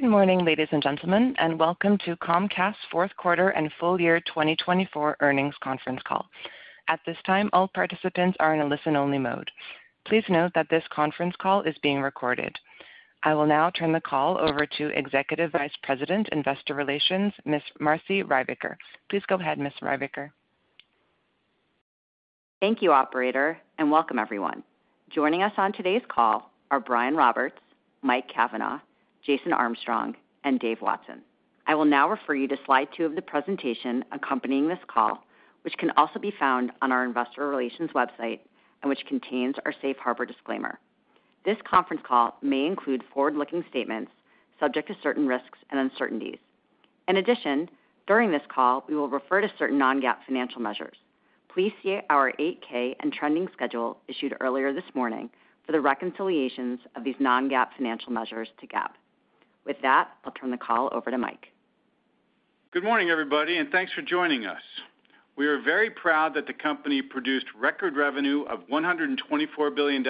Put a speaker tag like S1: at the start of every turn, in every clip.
S1: Good morning, ladies and gentlemen, and welcome to Comcast Fourth Quarter and Full Year 2024 Earnings Conference Call. At this time, all participants are in a listen-only mode. Please note that this conference call is being recorded. I will now turn the call over to Executive Vice President, Investor Relations, Ms. Marci Ryvicker. Please go ahead, Ms. Ryvicker.
S2: Thank you, Operator, and welcome, everyone. Joining us on today's call are Brian Roberts, Mike Cavanagh, Jason Armstrong, and Dave Watson. I will now refer you to slide two of the presentation accompanying this call, which can also be found on our Investor Relations website and which contains our Safe Harbor disclaimer. This conference call may include forward-looking statements subject to certain risks and uncertainties. In addition, during this call, we will refer to certain non-GAAP financial measures. Please see our 8-K and trending schedule issued earlier this morning for the reconciliations of these non-GAAP financial measures to GAAP. With that, I'll turn the call over to Mike.
S3: Good morning, everybody, and thanks for joining us. We are very proud that the company produced record revenue of $124 billion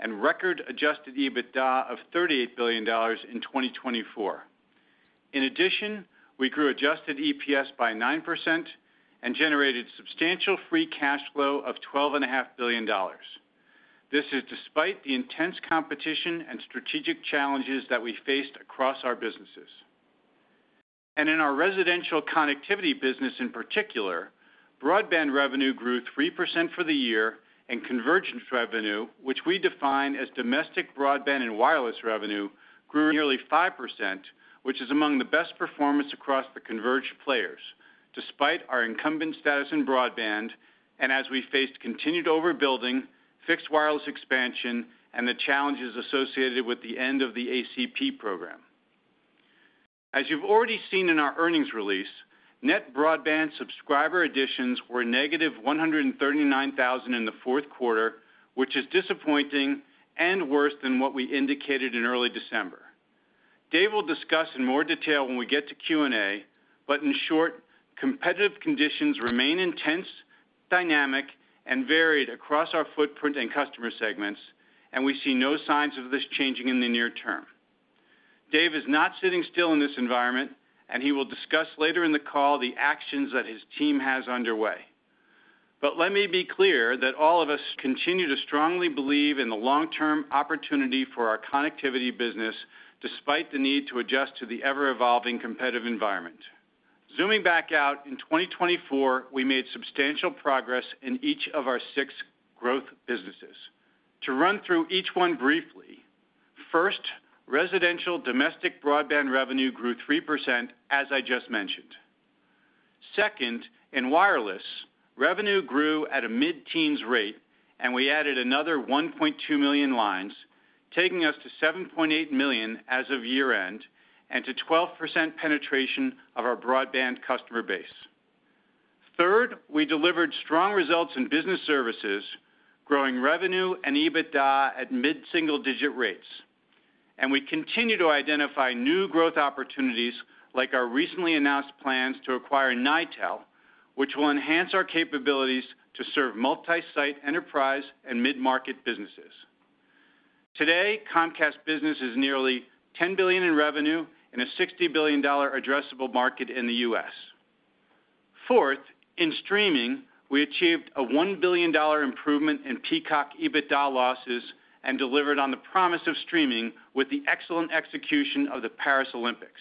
S3: and record adjusted EBITDA of $38 billion in 2024. In addition, we grew adjusted EPS by 9% and generated substantial free cash flow of $12.5 billion. This is despite the intense competition and strategic challenges that we faced across our businesses, and in our Residential Connectivity business in particular, broadband revenue grew 3% for the year, and converged revenue, which we define as domestic broadband and wireless revenue, grew nearly 5%, which is among the best performance across the converged players, despite our incumbent status in broadband and as we faced continued overbuilding, fixed wireless expansion, and the challenges associated with the end of the ACP program. As you've already seen in our earnings release, net broadband subscriber additions were negative 139,000 in the fourth quarter, which is disappointing and worse than what we indicated in early December. Dave will discuss in more detail when we get to Q&A, but in short, competitive conditions remain intense, dynamic, and varied across our footprint and customer segments, and we see no signs of this changing in the near term. Dave is not sitting still in this environment, and he will discuss later in the call the actions that his team has underway. But let me be clear that all of us continue to strongly believe in the long-term opportunity for our connectivity business despite the need to adjust to the ever-evolving competitive environment. Zooming back out, in 2024, we made substantial progress in each of our six growth businesses. To run through each one briefly, first, residential domestic broadband revenue grew 3%, as I just mentioned. Second, in wireless, revenue grew at a mid-teens rate, and we added another 1.2 million lines, taking us to 7.8 million as of year-end and to 12% penetration of our broadband customer base. Third, we delivered strong results in business services, growing revenue and EBITDA at mid-single-digit rates. We continue to identify new growth opportunities like our recently announced plans to acquire Nitel, which will enhance our capabilities to serve multi-site enterprise and mid-market businesses. Today, Comcast Business is nearly $10 billion in revenue in a $60 billion addressable market in the U.S. Fourth, in streaming, we achieved a $1 billion improvement in Peacock EBITDA losses and delivered on the promise of streaming with the excellent execution of the Paris Olympics.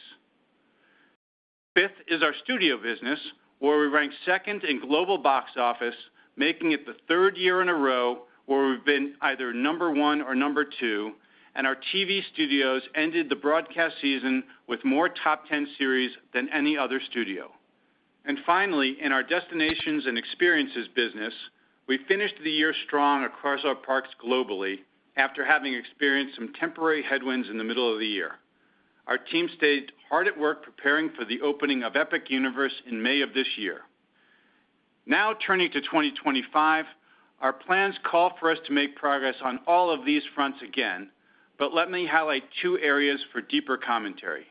S3: Fifth is our studio business, where we ranked second in global box office, making it the third year in a row where we've been either number one or number two, and our TV studios ended the broadcast season with more top 10 series than any other studio. And finally, in our Destinations and Experiences business, we finished the year strong across our parks globally after having experienced some temporary headwinds in the middle of the year. Our team stayed hard at work preparing for the opening of Epic Universe in May of this year. Now turning to 2025, our plans call for us to make progress on all of these fronts again, but let me highlight two areas for deeper commentary.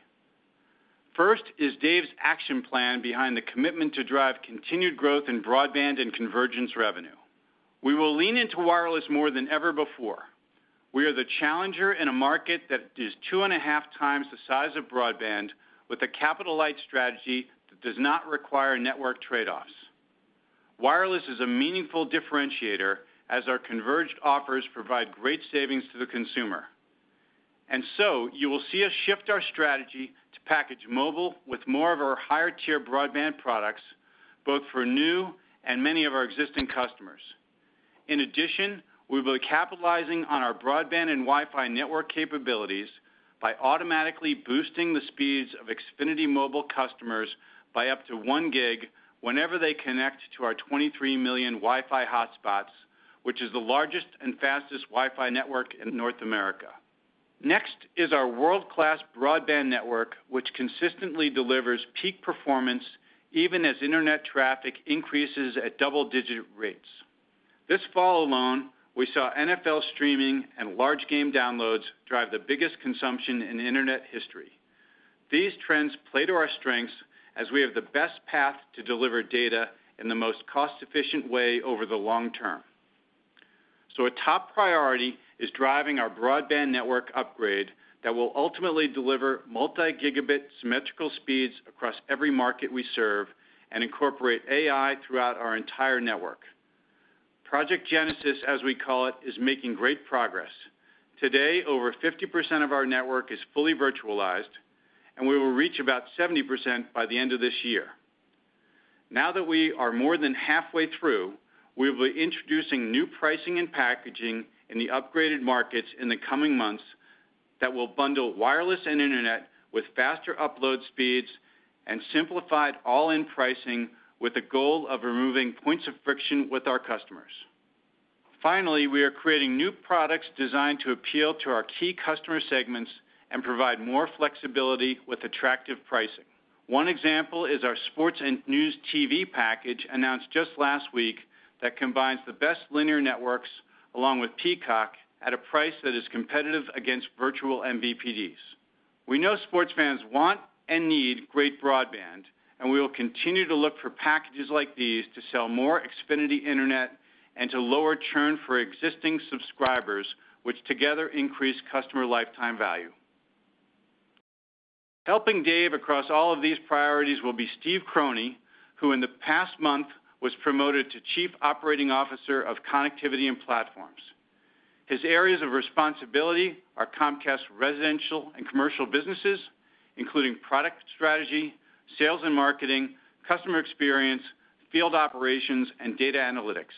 S3: First is Dave's action plan behind the commitment to drive continued growth in broadband and convergence revenue. We will lean into wireless more than ever before. We are the challenger in a market that is two and a half times the size of broadband with a capital light strategy that does not require network trade-offs. Wireless is a meaningful differentiator as our converged offers provide great savings to the consumer. And so you will see us shift our strategy to package mobile with more of our higher-tier broadband products, both for new and many of our existing customers. In addition, we will be capitalizing on our broadband and Wi-Fi network capabilities by automatically boosting the speeds of Xfinity Mobile customers by up to one gig whenever they connect to our 23 million Wi-Fi hotspots, which is the largest and fastest Wi-Fi network in North America. Next is our world-class broadband network, which consistently delivers peak performance even as internet traffic increases at double-digit rates. This fall alone, we saw NFL streaming and large game downloads drive the biggest consumption in internet history. These trends play to our strengths as we have the best path to deliver data in the cost cost-efficient way over the long term. So a top priority is driving our broadband network upgrade that will ultimately deliver multi-gigabit symmetrical speeds across every market we serve and incorporate AI throughout our entire network. Project Genesis, as we call it, is making great progress. Today, over 50% of our network is fully virtualized, and we will reach about 70% by the end of this year. Now that we are more than halfway through, we will be introducing new pricing and packaging in the upgraded markets in the coming months that will bundle wireless and internet with faster upload speeds and simplified all-in pricing with the goal of removing points of friction with our customers. Finally, we are creating new products designed to appeal to our key customer segments and provide more flexibility with attractive pricing. One example is our Sports & News TV package announced just last week that combines the best linear networks along with Peacock at a price that is competitive against virtual MVPDs. We know sports fans want and need great broadband, and we will continue to look for packages like these to sell more Xfinity Internet and to lower churn for existing subscribers, which together increase customer lifetime value. Helping Dave across all of these priorities will be Steve Croney, who in the past month was promoted to Chief Operating Officer of Connectivity & Platforms. His areas of responsibility are Comcast residential and commercial businesses, including product strategy, sales and marketing, customer experience, field operations, and data analytics.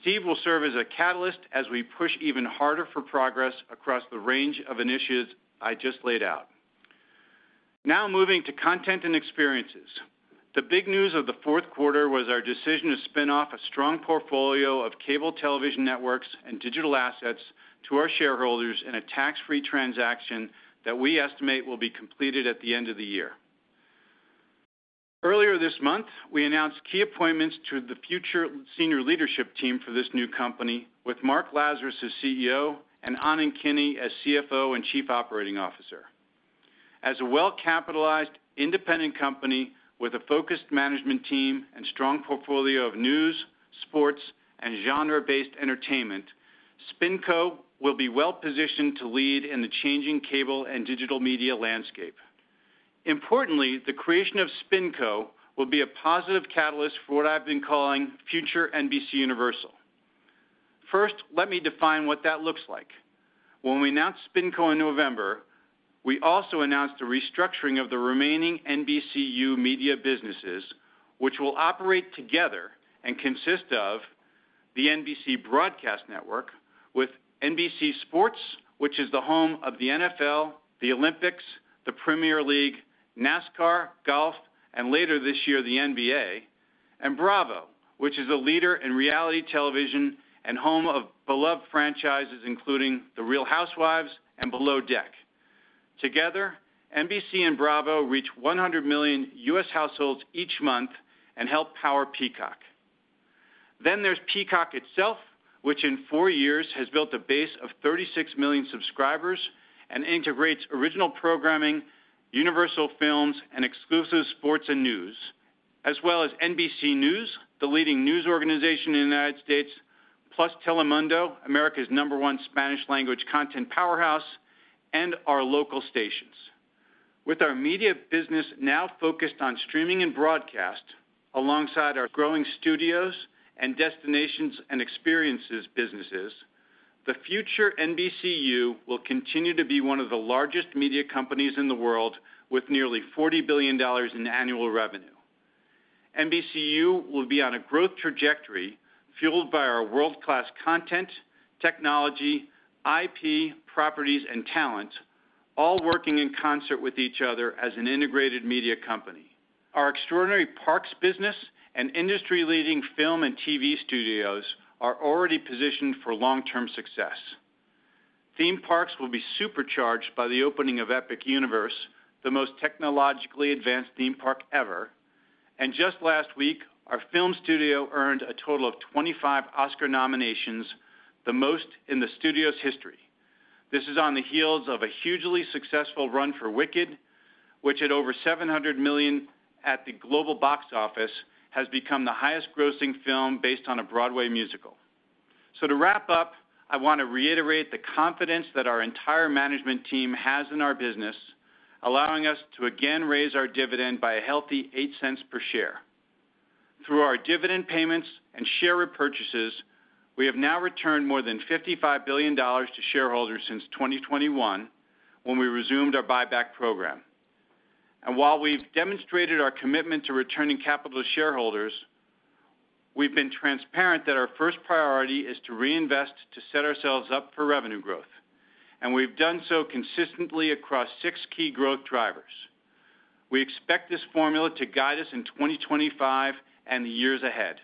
S3: Steve will serve as a catalyst as we push even harder for progress across the range of initiatives I just laid out. Now moving to Content & Experiences. The big news of the fourth quarter was our decision to spin off a strong portfolio of cable television networks and digital assets to our shareholders in a tax-free transaction that we estimate will be completed at the end of the year. Earlier this month, we announced key appointments to the future senior leadership team for this new company with Mark Lazarus as CEO and Anand Kini as CFO and Chief Operating Officer. As a well-capitalized independent company with a focused management team and strong portfolio of news, sports, and genre-based entertainment, SpinCo will be well-positioned to lead in the changing cable and digital media landscape. Importantly, the creation of SpinCo will be a positive catalyst for what I've been calling future NBCUniversal. First, let me define what that looks like. When we announced SpinCo in November, we also announced the restructuring of the remaining NBCU media businesses, which will operate together and consist of the NBC broadcast network with NBC Sports, which is the home of the NFL, the Olympics, the Premier League, NASCAR, Golf, and later this year, the NBA, and Bravo, which is the leader in reality television and home of beloved franchises including The Real Housewives and Below Deck. Together, NBC and Bravo reach 100 million U.S. households each month and help power Peacock. Then there's Peacock itself, which in four years has built a base of 36 million subscribers and integrates original programming, Universal Films, and exclusive sports, and news, as well as NBC News, the leading news organization in the United States, plus Telemundo, America's number one Spanish language content powerhouse, and our local stations. With our media business now focused on streaming and broadcast alongside our growing Studios and Destinations and Experiences businesses, the future NBCU will continue to be one of the largest media companies in the world with nearly $40 billion in annual revenue. NBCU will be on a growth trajectory fueled by our world-class content, technology, IP, properties, and talent, all working in concert with each other as an integrated media company. Our extraordinary parks business and industry-leading film and TV studios are already positioned for long-term success. Theme parks will be supercharged by the opening of Epic Universe, the most technologically advanced theme park ever, and just last week, our film studio earned a total of 25 Oscar nominations, the most in the studio's history. This is on the heels of a hugely successful run for Wicked, which at over $700 million at the global box office has become the highest-grossing film based on a Broadway musical, so to wrap up, I want to reiterate the confidence that our entire management team has in our business, allowing us to again raise our dividend by a healthy $0.08 per share. Through our dividend payments and share repurchases, we have now returned more than $55 billion to shareholders since 2021 when we resumed our buyback program. While we've demonstrated our commitment to returning capital to shareholders, we've been transparent that our first priority is to reinvest to set ourselves up for revenue growth. We've done so consistently across six key growth drivers. We expect this formula to guide us in 2025 and the years ahead.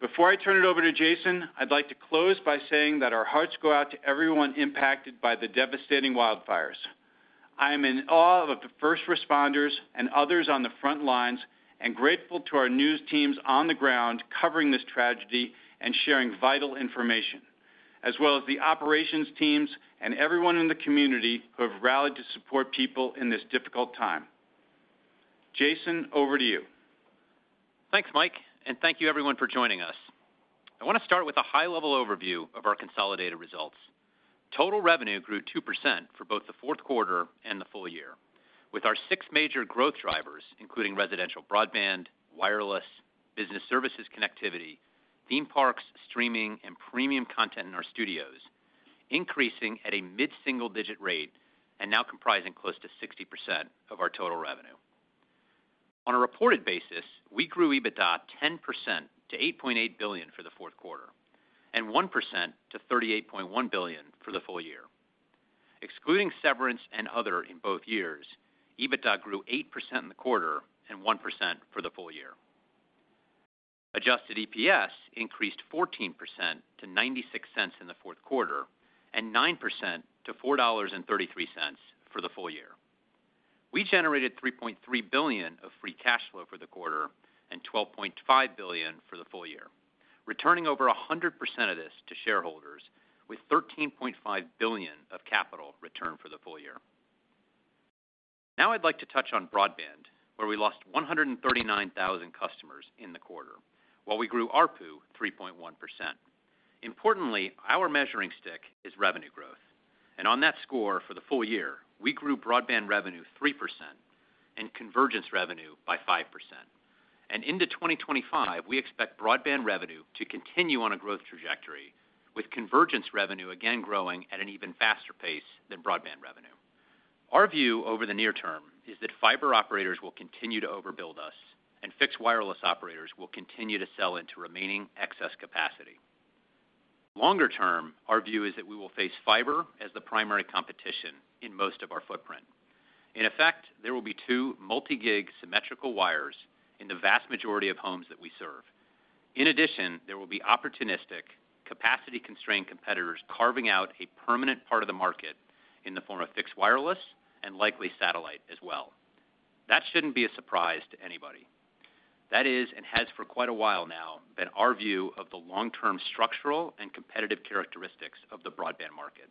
S3: Before I turn it over to Jason, I'd like to close by saying that our hearts go out to everyone impacted by the devastating wildfires. I am in awe of the first responders and others on the front lines and grateful to our news teams on the ground covering this tragedy and sharing vital information, as well as the operations teams and everyone in the community who have rallied to support people in this difficult time. Jason, over to you.
S4: Thanks, Mike, and thank you everyone for joining us. I want to start with a high-level overview of our consolidated results. Total revenue grew 2% for both the fourth quarter and the full year, with our six major growth drivers, including residential broadband, wireless, business services connectivity, theme parks, streaming, and premium content in our studios, increasing at a mid-single-digit rate and now comprising close to 60% of our total revenue. On a reported basis, we grew EBITDA 10% to $8.8 billion for the fourth quarter and 1% to $38.1 billion for the full year. Excluding severance and other in both years, EBITDA grew 8% in the quarter and 1% for the full year. Adjusted EPS increased 14% to $0.96 in the fourth quarter and 9% to $4.33 for the full year. We generated $3.3 billion of free cash flow for the quarter and $12.5 billion for the full year, returning over 100% of this to shareholders with $13.5 billion of capital returned for the full year. Now I'd like to touch on broadband, where we lost 139,000 customers in the quarter while we grew ARPU 3.1%. Importantly, our measuring stick is revenue growth, and on that score for the full year, we grew broadband revenue 3% and convergence revenue by 5%, and into 2025, we expect broadband revenue to continue on a growth trajectory, with convergence revenue again growing at an even faster pace than broadband revenue. Our view over the near term is that fiber operators will continue to overbuild us and fixed wireless operators will continue to sell into remaining excess capacity. Longer term, our view is that we will face fiber as the primary competition in most of our footprint. In effect, there will be two multi-gig symmetrical wires in the vast majority of homes that we serve. In addition, there will be opportunistic, capacity-constrained competitors carving out a permanent part of the market in the form of fixed wireless and likely satellite as well. That shouldn't be a surprise to anybody. That is, and has for quite a while now, been our view of the long-term structural and competitive characteristics of the broadband market.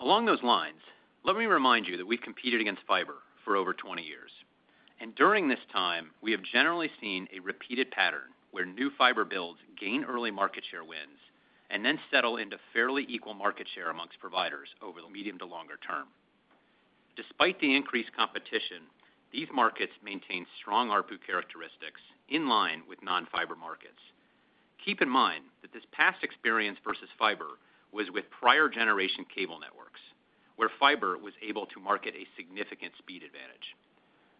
S4: Along those lines, let me remind you that we've competed against fiber for over 20 years. And during this time, we have generally seen a repeated pattern where new fiber builds gain early market share wins and then settle into fairly equal market share amongst providers over the medium to longer term. Despite the increased competition, these markets maintain strong ARPU characteristics in line with non-fiber markets. Keep in mind that this past experience versus fiber was with prior generation cable networks, where fiber was able to market a significant speed advantage.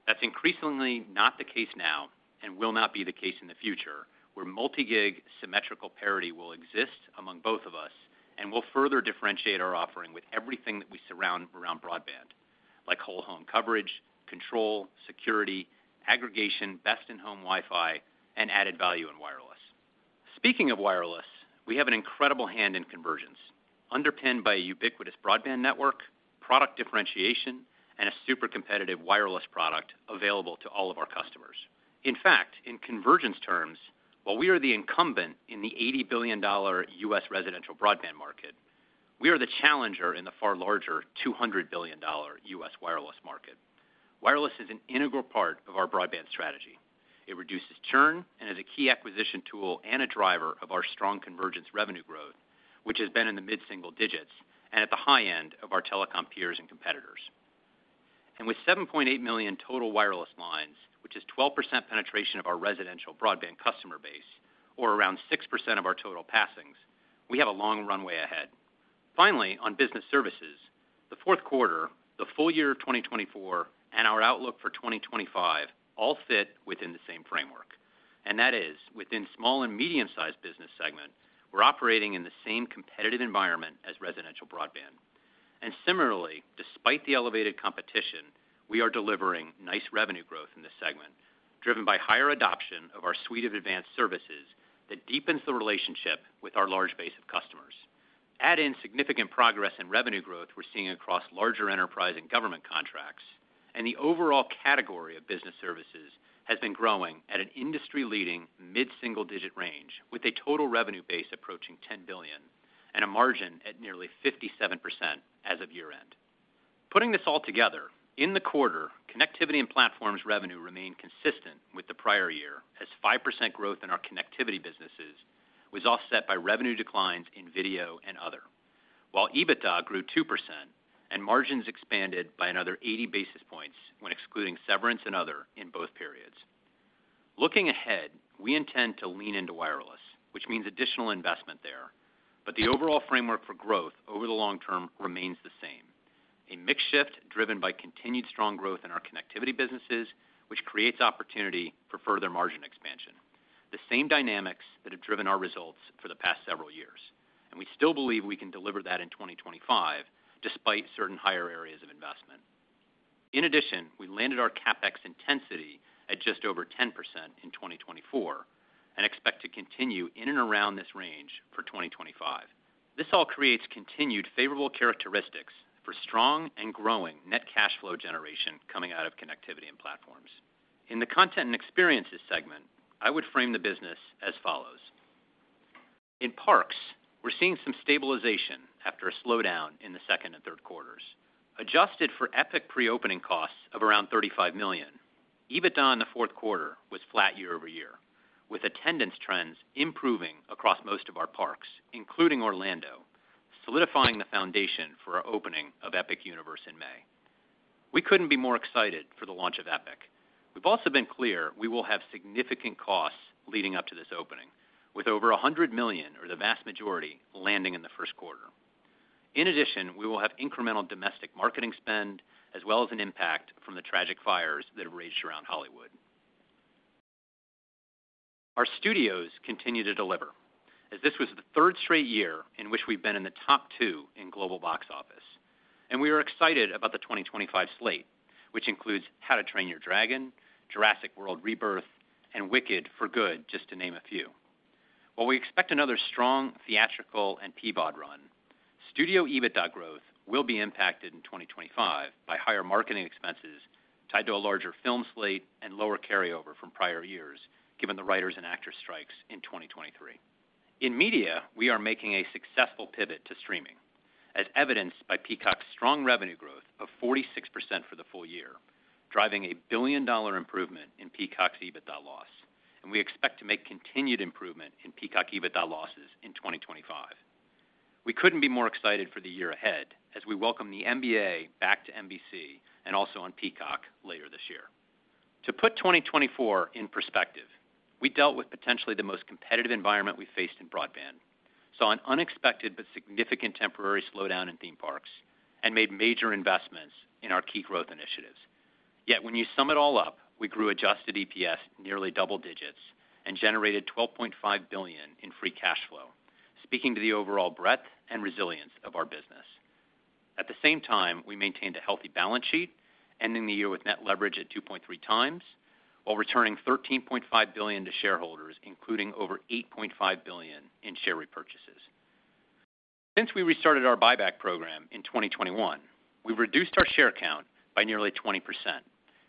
S4: That's increasingly not the case now and will not be the case in the future, where multi-gig symmetrical parity will exist among both of us and will further differentiate our offering with everything that we surround around broadband, like whole-home coverage, control, security, aggregation, best-in-home Wi-Fi, and added value in wireless. Speaking of wireless, we have an incredible hand in convergence, underpinned by a ubiquitous broadband network, product differentiation, and a super competitive wireless product available to all of our customers. In fact, in convergence terms, while we are the incumbent in the $80 billion U.S. residential broadband market, we are the challenger in the far larger $200 billion U.S. wireless market. Wireless is an integral part of our broadband strategy. It reduces churn and is a key acquisition tool and a driver of our strong convergence revenue growth, which has been in the mid-single digits and at the high end of our telecom peers and competitors. And with 7.8 million total wireless lines, which is 12% penetration of our residential broadband customer base, or around 6% of our total passings, we have a long runway ahead. Finally, on business services, the fourth quarter, the full year of 2024, and our outlook for 2025 all fit within the same framework. And that is, within small and medium-sized business segment, we're operating in the same competitive environment as residential broadband. Similarly, despite the elevated competition, we are delivering nice revenue growth in this segment, driven by higher adoption of our suite of advanced services that deepens the relationship with our large base of customers. Add in significant progress in revenue growth we're seeing across larger enterprise and government contracts, and the overall category of business services has been growing at an industry-leading mid-single digit range, with a total revenue base approaching $10 billion and a margin at nearly 57% as of year-end. Putting this all together, in the quarter, Connectivity & Platforms revenue remained consistent with the prior year as 5% growth in our Connectivity businesses was offset by revenue declines in video and other, while EBITDA grew 2% and margins expanded by another 80 basis points when excluding severance and other in both periods. Looking ahead, we intend to lean into wireless, which means additional investment there, but the overall framework for growth over the long term remains the same: a mix shift driven by continued strong growth in our Connectivity businesses, which creates opportunity for further margin expansion, the same dynamics that have driven our results for the past several years, and we still believe we can deliver that in 2025, despite certain higher areas of investment. In addition, we landed our CapEx intensity at just over 10% in 2024 and expect to continue in and around this range for 2025. This all creates continued favorable characteristics for strong and growing net cash flow generation coming out of Connectivity & Platforms. In the Content & Experiences segment, I would frame the business as follows. In parks, we're seeing some stabilization after a slowdown in the second and third quarters. Adjusted for Epic pre-opening costs of around $35 million, EBITDA in the fourth quarter was flat year-over-year, with attendance trends improving across most of our parks, including Orlando, solidifying the foundation for our opening of Epic Universe in May. We couldn't be more excited for the launch of Epic. We've also been clear we will have significant costs leading up to this opening, with over $100 million or the vast majority landing in the first quarter. In addition, we will have incremental domestic marketing spend, as well as an impact from the tragic fires that have raged around Hollywood. Our studios continue to deliver, as this was the third straight year in which we've been in the top two in global box office. We are excited about the 2025 slate, which includes How to Train Your Dragon, Jurassic World: Rebirth, and Wicked for Good, just to name a few. While we expect another strong theatrical and Peacock run, studio EBITDA growth will be impacted in 2025 by higher marketing expenses tied to a larger film slate and lower carryover from prior years, given the writers' and actors' strikes in 2023. In Media, we are making a successful pivot to streaming, as evidenced by Peacock's strong revenue growth of 46% for the full year, driving a $1 billion improvement in Peacock's EBITDA loss. We expect to make continued improvement in Peacock EBITDA losses in 2025. We couldn't be more excited for the year ahead as we welcome the NBA back to NBC and also on Peacock later this year. To put 2024 in perspective, we dealt with potentially the most competitive environment we faced in broadband, saw an unexpected but significant temporary slowdown in theme parks, and made major investments in our key growth initiatives. Yet when you sum it all up, we grew adjusted EPS nearly double digits and generated $12.5 billion in free cash flow, speaking to the overall breadth and resilience of our business. At the same time, we maintained a healthy balance sheet, ending the year with net leverage at 2.3x, while returning $13.5 billion to shareholders, including over $8.5 billion in share repurchases. Since we restarted our buyback program in 2021, we've reduced our share count by nearly 20%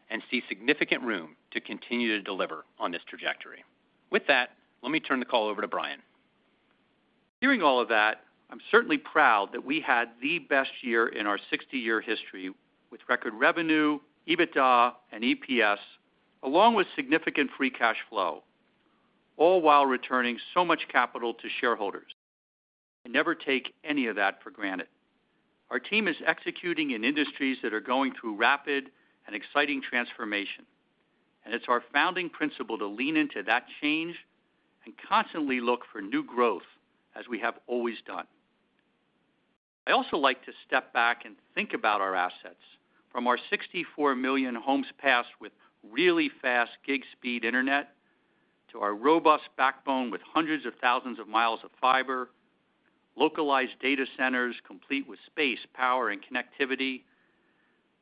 S4: and see significant room to continue to deliver on this trajectory. With that, let me turn the call over to Brian.
S5: Hearing all of that, I'm certainly proud that we had the best year in our 60-year history with record revenue, EBITDA, and EPS, along with significant free cash flow, all while returning so much capital to shareholders. And never take any of that for granted. Our team is executing in industries that are going through rapid and exciting transformation. And it's our founding principle to lean into that change and constantly look for new growth, as we have always done. I also like to step back and think about our assets, from our 64 million homes passed with really fast gig-speed internet to our robust backbone with hundreds of thousands of miles of fiber, localized data centers complete with space, power, and connectivity.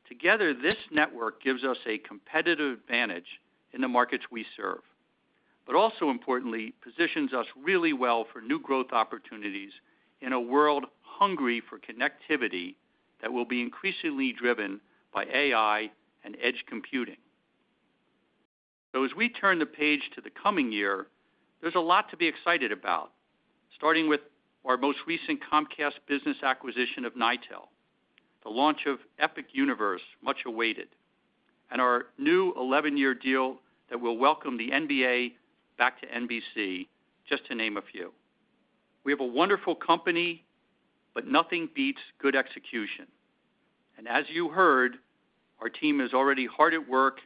S5: Together, this network gives us a competitive advantage in the markets we serve, but also importantly, positions us really well for new growth opportunities in a world hungry for connectivity that will be increasingly driven by AI and edge computing. So as we turn the page to the coming year, there's a lot to be excited about, starting with our most recent Comcast business acquisition of Nitel, the launch of Epic Universe, much awaited, and our new 11-year deal that will welcome the NBA back to NBC, just to name a few. We have a wonderful company, but nothing beats good execution. And as you heard, our team is already hard at work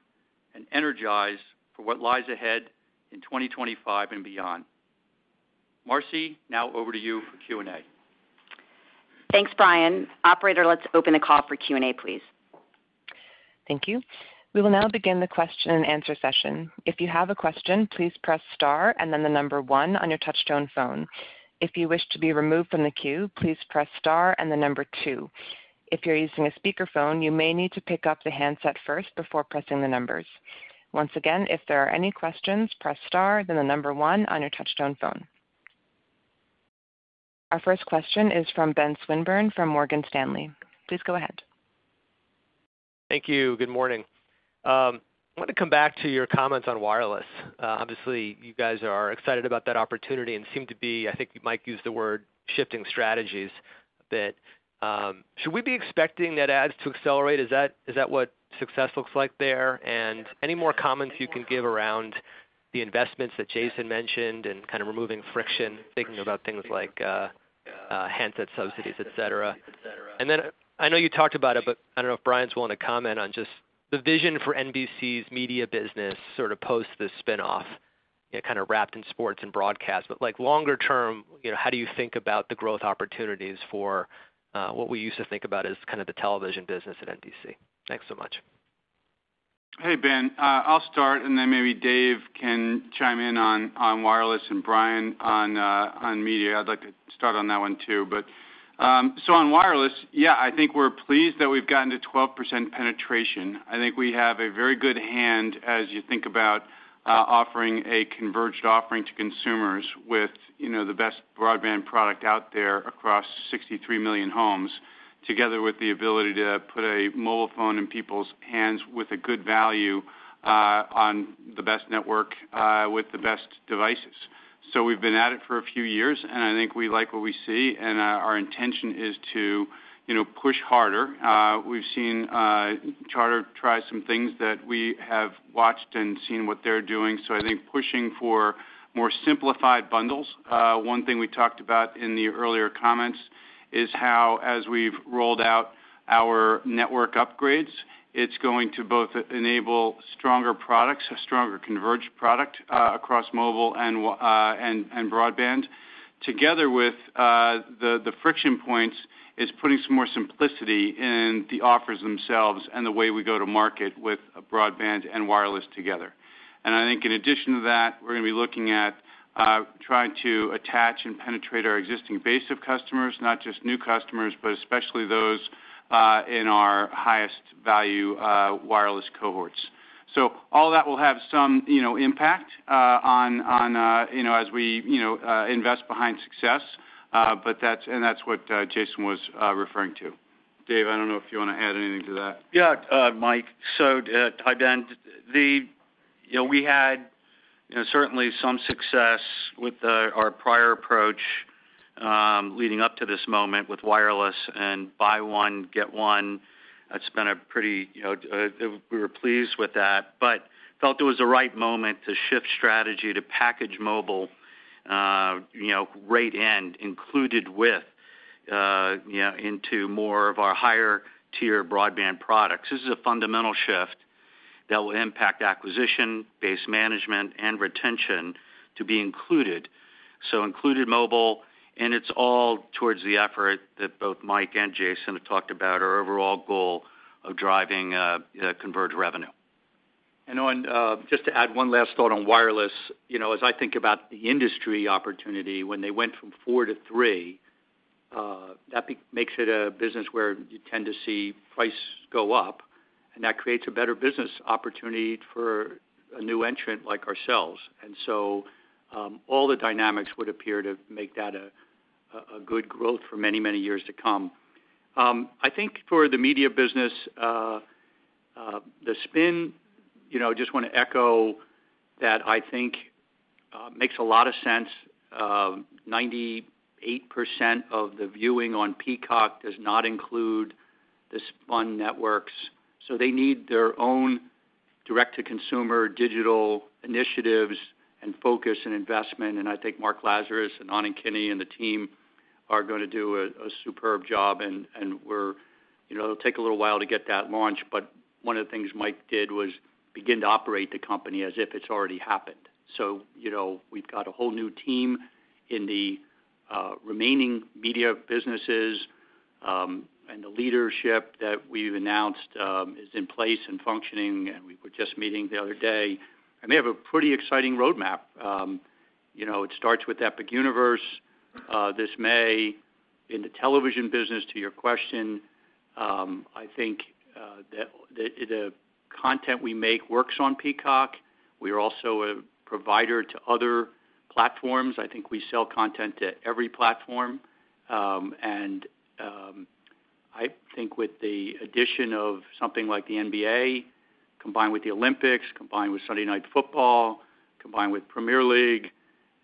S5: and energized for what lies ahead in 2025 and beyond. Marci, now over to you for Q&A.
S2: Thanks, Brian. Operator, let's open the call for Q&A, please.
S1: Thank you. We will now begin the question-and-answer session. If you have a question, please press star and then the number one on your touch-tone phone. If you wish to be removed from the queue, please press star and the number two. If you're using a speakerphone, you may need to pick up the handset first before pressing the numbers. Once again, if there are any questions, press star then the number one on your touch-tone phone. Our first question is from Ben Swinburne from Morgan Stanley. Please go ahead.
S6: Thank you. Good morning. I want to come back to your comments on wireless. Obviously, you guys are excited about that opportunity and seem to be, I think you might use the word, shifting strategies a bit. Should we be expecting that adds to accelerate? Is that what success looks like there? Any more comments you can give around the investments that Jason mentioned and kind of removing friction, thinking about things like handset subsidies, et cetera? I know you talked about it, but I don't know if Brian's willing to comment on just the vision for NBC's media business sort of post the spinoff, kind of wrapped in sports and broadcast. Longer term, how do you think about the growth opportunities for what we used to think about as kind of the television business at NBC? Thanks so much.
S3: Hey, Ben. I'll start, and then maybe Dave can chime in on wireless and Brian on media. I'd like to start on that one too. So on wireless, yeah, I think we're pleased that we've gotten to 12% penetration. I think we have a very good hand as you think about offering a converged offering to consumers with the best broadband product out there across 63 million homes, together with the ability to put a mobile phone in people's hands with a good value on the best network with the best devices. So we've been at it for a few years, and I think we like what we see. And our intention is to push harder. We've seen Charter try some things that we have watched and seen what they're doing. So I think pushing for more simplified bundles. One thing we talked about in the earlier comments is how, as we've rolled out our network upgrades, it's going to both enable stronger products, a stronger converged product across mobile and broadband, together with the friction points, is putting some more simplicity in the offers themselves and the way we go to market with broadband and wireless together. And I think in addition to that, we're going to be looking at trying to attach and penetrate our existing base of customers, not just new customers, but especially those in our highest value wireless cohorts. So all that will have some impact on as we invest behind success. And that's what Jason was referring to. Dave, I don't know if you want to add anything to that.
S7: Yeah, Mike. So tied in. We had certainly some success with our prior approach leading up to this moment with wireless and buy one, get one. That's been pretty good. We were pleased with that, but felt it was the right moment to shift strategy to package mobile right in, included with, into more of our higher-tier broadband products. This is a fundamental shift that will impact acquisition, base management, and retention to be included so included mobile, and it's all towards the effort that both Mike and Jason have talked about, our overall goal of driving converged revenue,
S5: And just to add one last thought on wireless, as I think about the industry opportunity, when they went from four to three, that makes it a business where you tend to see price go up, and that creates a better business opportunity for a new entrant like ourselves. So all the dynamics would appear to make that a good growth for many, many years to come. I think for the media business, the spin, I just want to echo that I think makes a lot of sense. 98% of the viewing on Peacock does not include the spun networks. So they need their own direct-to-consumer digital initiatives and focus and investment. And I think Mark Lazarus and Anand Kini and the team are going to do a superb job. And it'll take a little while to get that launch. But one of the things Mike did was begin to operate the company as if it's already happened. So we've got a whole new team in the remaining media businesses, and the leadership that we've announced is in place and functioning. And we were just meeting the other day. And they have a pretty exciting roadmap. It starts with Epic Universe this May. In the television business, to your question, I think the content we make works on Peacock. We are also a provider to other platforms. I think we sell content to every platform, and I think with the addition of something like the NBA, combined with the Olympics, combined with Sunday Night Football, combined with Premier League,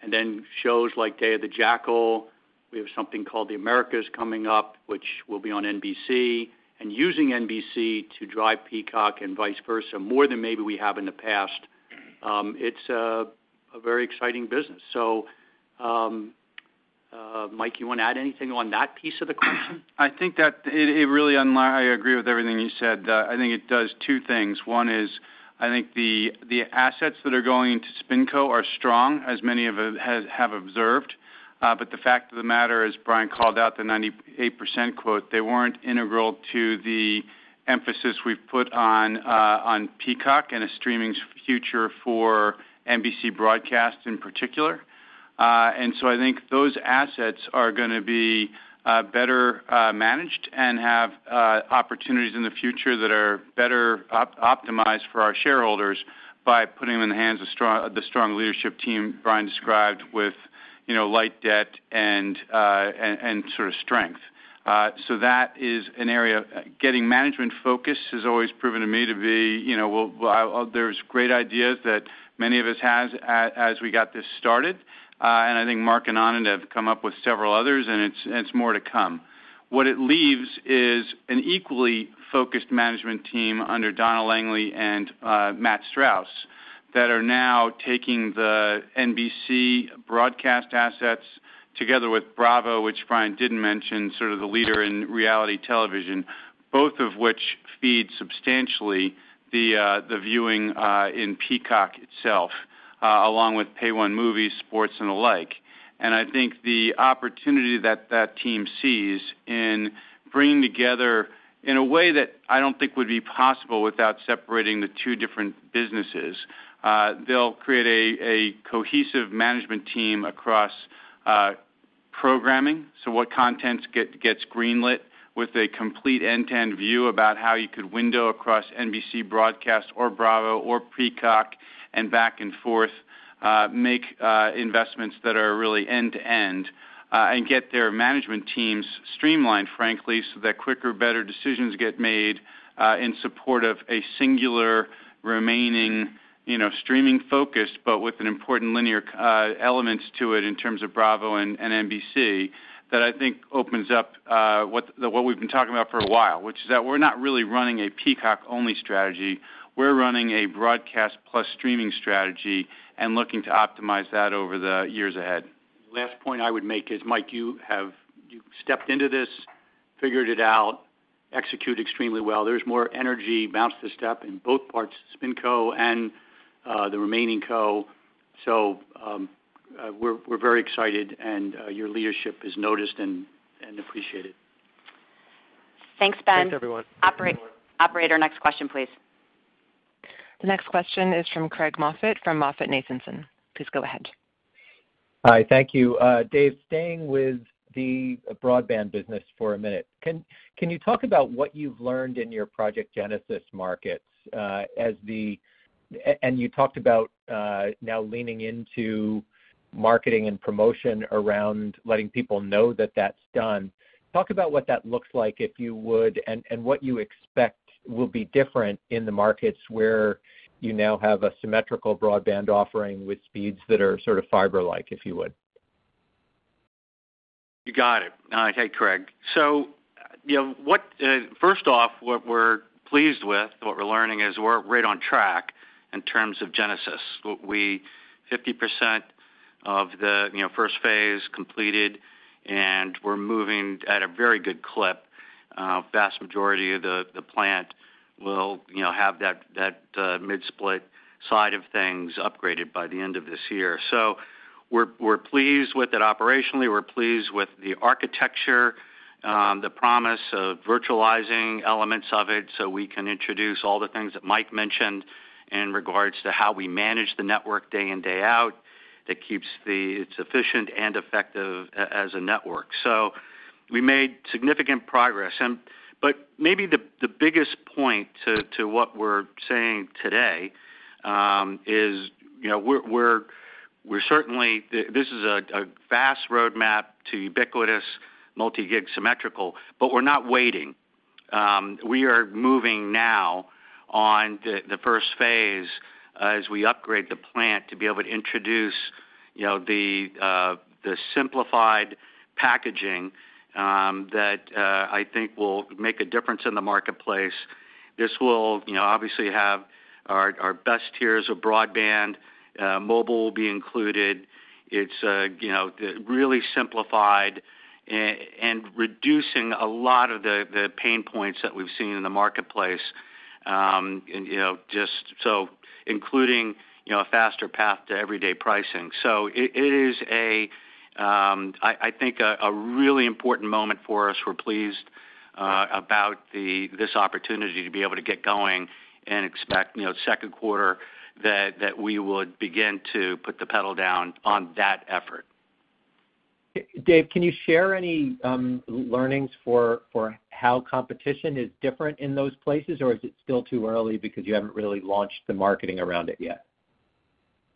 S5: and then shows like Day of the Jackal, we have something called The Americas coming up, which will be on NBC, and using NBC to drive Peacock and vice versa more than maybe we have in the past. It's a very exciting business, so, Mike, you want to add anything on that piece of the question?
S3: I think that it really unlocks. I agree with everything you said. I think it does two things. One is I think the assets that are going to SpinCo are strong, as many have observed. But the fact of the matter is, Brian called out the 98% quote. They weren't integral to the emphasis we've put on Peacock and a streaming future for NBC broadcast in particular. And so I think those assets are going to be better managed and have opportunities in the future that are better optimized for our shareholders by putting them in the hands of the strong leadership team, Brian described, with light debt and sort of strength. So that is an area. Getting management focused has always proven to me to be. There's great ideas that many of us have as we got this started. And I think Mark and Anand have come up with several others, and it's more to come. What it leaves is an equally focused management team under Donna Langley and Matt Strauss that are now taking the NBC broadcast assets together with Bravo, which Brian didn't mention, sort of the leader in reality television, both of which feed substantially the viewing in Peacock itself, along with Pay-One movies, sports, and the like. And I think the opportunity that that team sees in bringing together in a way that I don't think would be possible without separating the two different businesses, they'll create a cohesive management team across programming. So what content gets greenlit with a complete end-to-end view about how you could window across NBC broadcast or Bravo or Peacock and back and forth, make investments that are really end-to-end, and get their management teams streamlined, frankly, so that quicker, better decisions get made in support of a singular remaining streaming-focused, but with an important linear element to it in terms of Bravo and NBC, that I think opens up what we've been talking about for a while, which is that we're not really running a Peacock-only strategy. We're running a broadcast plus streaming strategy and looking to optimize that over the years ahead.
S6: Last point I would make is, Mike, you stepped into this, figured it out, executed extremely well. There's more energy around this step in both parts, SpinCo and the remaining co. So we're very excited, and your leadership is noticed and appreciated.
S2: Thanks, Ben. Thanks, everyone. Operator, next question, please.
S1: The next question is from Craig Moffett from MoffettNathanson. Please go ahead.
S8: Hi, thank you. Dave, staying with the broadband business for a minute, can you talk about what you've learned in your Project Genesis markets? And you talked about now leaning into marketing and promotion around letting people know that that's done. Talk about what that looks like, if you would, and what you expect will be different in the markets where you now have a symmetrical broadband offering with speeds that are sort of fiber-like, if you would.
S7: You got it. I take Craig. So first off, what we're pleased with, what we're learning is we're right on track in terms of Genesis. 50% of the first phase completed, and we're moving at a very good clip. The vast majority of the plant will have that mid-split side of things upgraded by the end of this year. So we're pleased with it operationally. We're pleased with the architecture, the promise of virtualizing elements of it so we can introduce all the things that Mike mentioned in regards to how we manage the network day in, day out that keeps it efficient and effective as a network. So we made significant progress. But maybe the biggest point to what we're saying today is we're certainly this is a fast roadmap to ubiquitous, multi-gig, symmetrical, but we're not waiting. We are moving now on the first phase as we upgrade the plant to be able to introduce the simplified packaging that I think will make a difference in the marketplace. This will obviously have our best tiers of broadband. Mobile will be included. It's really simplified and reducing a lot of the pain points that we've seen in the marketplace, just so including a faster path to everyday pricing. So it is, I think, a really important moment for us. We're pleased about this opportunity to be able to get going and expect second quarter that we will begin to put the pedal down on that effort.
S8: Dave, can you share any learnings for how competition is different in those places, or is it still too early because you haven't really launched the marketing around it yet?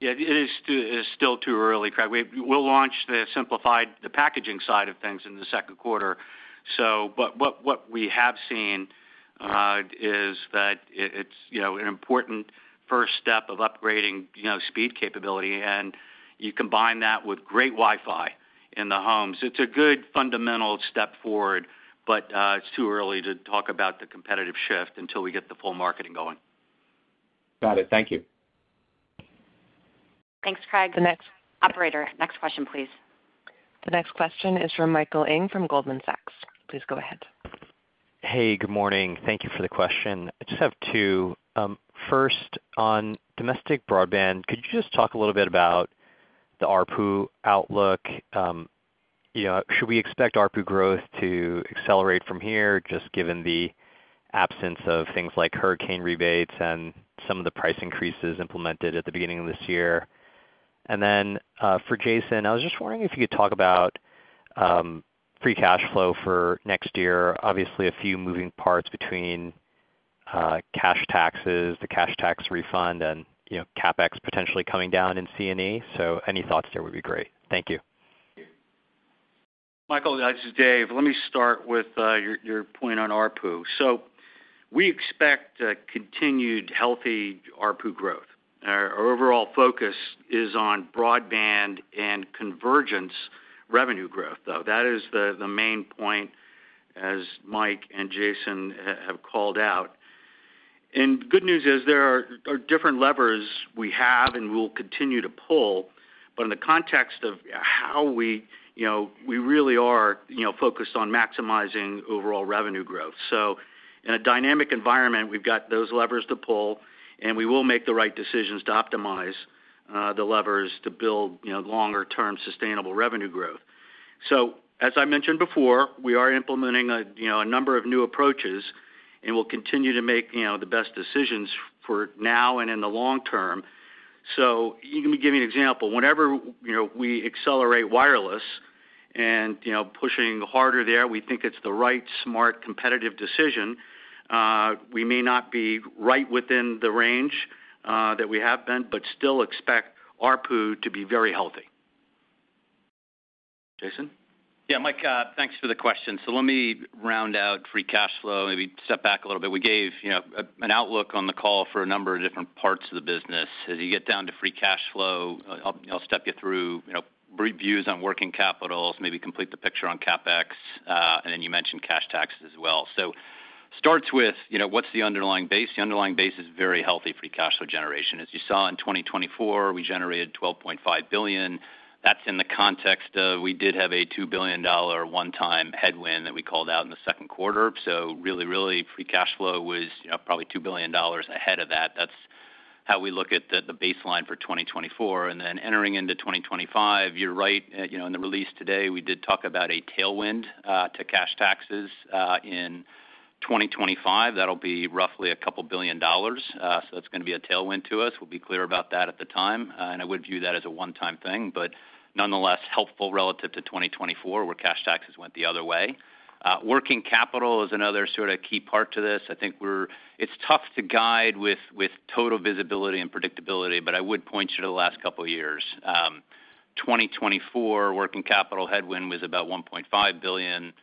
S7: Yeah, it is still too early, Craig. We'll launch the simplified, the packaging side of things in the second quarter. But what we have seen is that it's an important first step of upgrading speed capability, and you combine that with great Wi-Fi in the homes. It's a good fundamental step forward, but it's too early to talk about the competitive shift until we get the full marketing going.
S8: Got it. Thank you.
S2: Thanks, Craig. The next operator. Next question, please.
S1: The next question is from Michael Ng from Goldman Sachs. Please go ahead.
S9: Hey, good morning. Thank you for the question. I just have two. First, on domestic broadband, could you just talk a little bit about the ARPU outlook? Should we expect ARPU growth to accelerate from here, just given the absence of things like hurricane rebates and some of the price increases implemented at the beginning of this year? And then for Jason, I was just wondering if you could talk about free cash flow for next year. Obviously, a few moving parts between cash taxes, the cash tax refund, and CapEx potentially coming down in C&E. Any thoughts there would be great. Thank you.
S7: Michael, this is Dave. Let me start with your point on ARPU. We expect continued healthy ARPU growth. Our overall focus is on broadband and convergence revenue growth, though. That is the main point, as Mike and Jason have called out. Good news is there are different levers we have and will continue to pull, but in the context of how we really are focused on maximizing overall revenue growth. In a dynamic environment, we've got those levers to pull, and we will make the right decisions to optimize the levers to build longer-term sustainable revenue growth. As I mentioned before, we are implementing a number of new approaches, and we'll continue to make the best decisions for now and in the long term. You can give me an example. Whenever we accelerate wireless and pushing harder there, we think it's the right, smart, competitive decision. We may not be right within the range that we have been, but still expect ARPU to be very healthy. Jason?
S4: Yeah, Mike, thanks for the question. So let me round out free cash flow, maybe step back a little bit. We gave an outlook on the call for a number of different parts of the business. As you get down to free cash flow, I'll step you through brief views on working capital, maybe complete the picture on CapEx, and then you mentioned cash taxes as well. So it starts with what's the underlying base? The underlying base is very healthy free cash flow generation. As you saw in 2024, we generated $12.5 billion. That's in the context of we did have a $2 billion one-time headwind that we called out in the second quarter. So really, really, free cash flow was probably $2 billion ahead of that. That's how we look at the baseline for 2024. And then entering into 2025, you're right. In the release today, we did talk about a tailwind to cash taxes in 2025. That'll be roughly a couple of billion dollars. So that's going to be a tailwind to us. We'll be clear about that at the time. And I would view that as a one-time thing, but nonetheless, helpful relative to 2024, where cash taxes went the other way. Working capital is another sort of key part to this. I think it's tough to guide with total visibility and predictability, but I would point you to the last couple of years. 2024, working capital headwind was about $1.5 billion.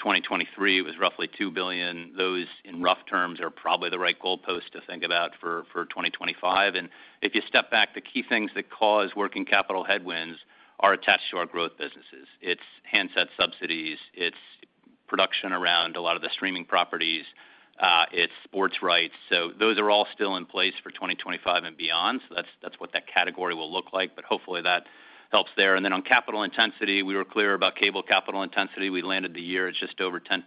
S4: 2023, it was roughly $2 billion. Those, in rough terms, are probably the right goalpost to think about for 2025. And if you step back, the key things that cause working capital headwinds are attached to our growth businesses. It's handset subsidies. It's production around a lot of the streaming properties. It's sports rights. So those are all still in place for 2025 and beyond. So that's what that category will look like, but hopefully that helps there. And then on capital intensity, we were clear about cable capital intensity. We landed the year. It's just over 10%.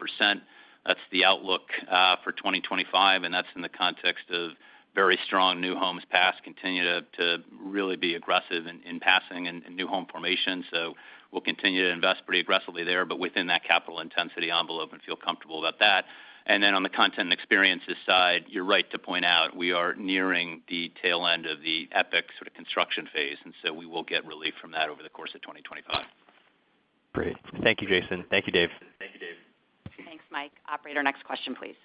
S4: That's the outlook for 2025, and that's in the context of very strong new homes passings continue to really be aggressive in passing and new home formation. So we'll continue to invest pretty aggressively there, but within that capital intensity envelope and feel comfortable about that. And then on the Content & Experiences side, you're right to point out we are nearing the tail end of the epic sort of construction phase. And so we will get relief from that over the course of 2025.
S9: Great. Thank you, Jason. Thank you, Dave. Thank you, Dave.
S2: Thanks, Mike. Operator, next question, please.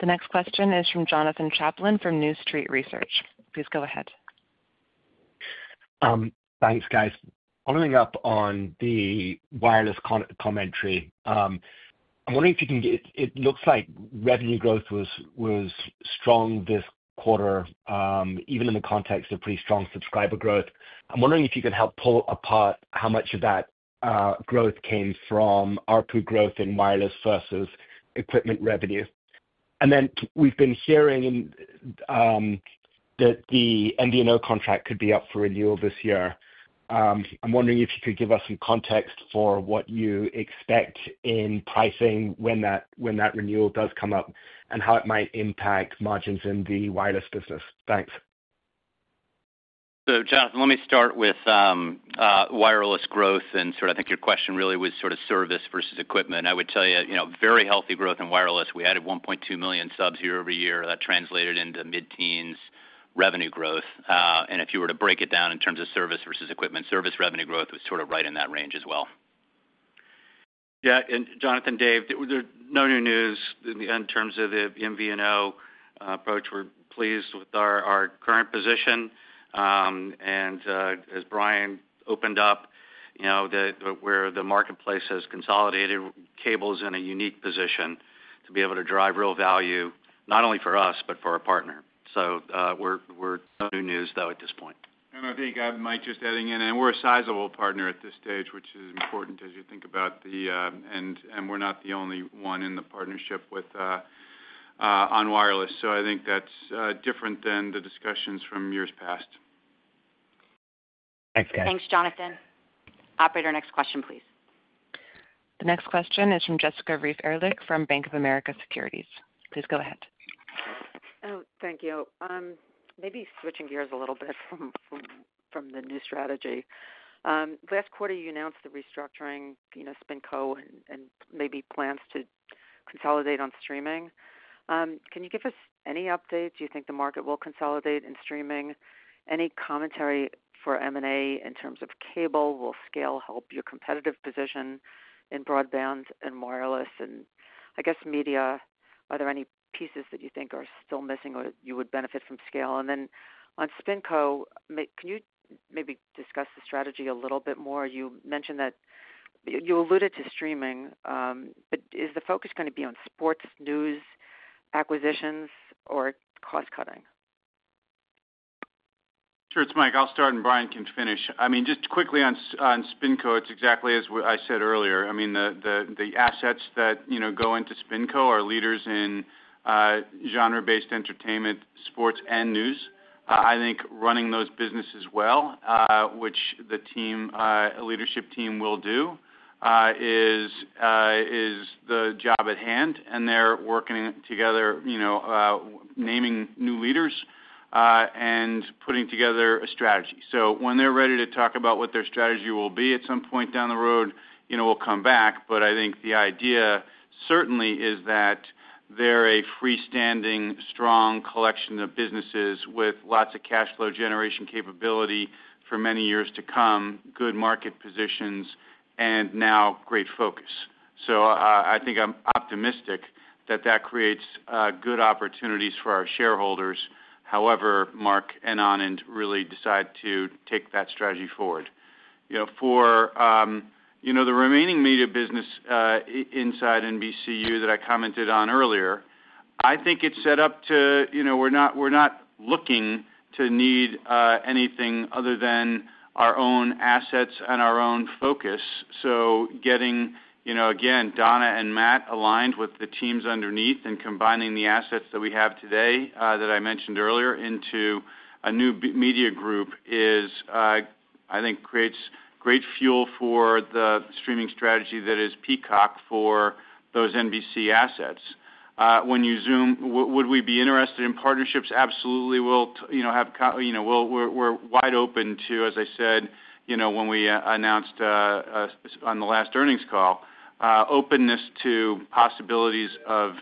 S1: The next question is from Jonathan Chaplin from New Street Research. Please go ahead.
S10: Thanks, guys. Following up on the wireless commentary, I'm wondering if you can get it. It looks like revenue growth was strong this quarter, even in the context of pretty strong subscriber growth. I'm wondering if you could help pull apart how much of that growth came from ARPU growth in wireless versus equipment revenue. And then we've been hearing that the MVNO contract could be up for renewal this year. I'm wondering if you could give us some context for what you expect in pricing when that renewal does come up and how it might impact margins in the wireless business. Thanks.
S4: So Jonathan, let me start with wireless growth and sort of I think your question really was sort of service versus equipment. I would tell you very healthy growth in wireless. We added 1.2 million subs year over year. That translated into mid-teens revenue growth. And if you were to break it down in terms of service versus equipment, service revenue growth was sort of right in that range as well.
S7: Yeah. And Jonathan, Dave, there's no new news in terms of the MVNO approach. We're pleased with our current position. As Brian opened up, where the marketplace has consolidated, cable is in a unique position to be able to drive real value, not only for us, but for our partner. So we're no new news, though, at this point.
S3: And I think I'm Mike just adding in, and we're a sizable partner at this stage, which is important as you think about the and we're not the only one in the partnership on wireless. So I think that's different than the discussions from years past.
S10: Thanks, guys.
S2: Thanks, Jonathan. Operator, next question, please.
S1: The next question is from Jessica Reif Ehrlich from Bank of America Securities. Please go ahead.
S11: Thank you. Maybe switching gears a little bit from the new strategy. Last quarter, you announced the restructuring, SpinCo and maybe plans to consolidate on streaming. Can you give us any updates? Do you think the market will consolidate in streaming? Any commentary for M&A in terms of cable will scale help your competitive position in broadband and wireless? And I guess media, are there any pieces that you think are still missing or you would benefit from scale? And then on SpinCo, can you maybe discuss the strategy a little bit more? You mentioned that you alluded to streaming, but is the focus going to be on sports, news, acquisitions, or cost cutting?
S3: Sure. It's Mike. I'll start and Brian can finish. I mean, just quickly on SpinCo, it's exactly as I said earlier. I mean, the assets that go into SpinCo are leaders in genre-based entertainment, sports, and news. I think running those businesses well, which the leadership team will do, is the job at hand. And they're working together, naming new leaders and putting together a strategy. So when they're ready to talk about what their strategy will be at some point down the road, we'll come back. But I think the idea certainly is that they're a freestanding, strong collection of businesses with lots of cash flow generation capability for many years to come, good market positions, and now great focus. So I think I'm optimistic that that creates good opportunities for our shareholders. However, Mark and Anand really decide to take that strategy forward. For the remaining media business inside NBCU that I commented on earlier, I think it's set up. We're not looking to need anything other than our own assets and our own focus. Getting, again, Donna and Matt aligned with the teams underneath and combining the assets that we have today that I mentioned earlier into a new media group is, I think, creates great fuel for the streaming strategy that is Peacock for those NBC assets. When you zoom, would we be interested in partnerships? Absolutely. We're wide open to, as I said, when we announced on the last earnings call, openness to possibilities of